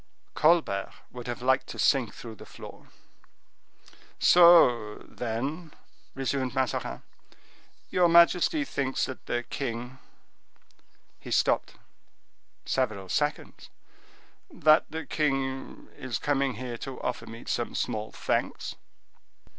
Colbert would have liked to sink through the floor. "So, then," resumed Mazarin, "your majesty thinks that the king—" he stopped several seconds—"that the king is coming here to offer me some small thanks?"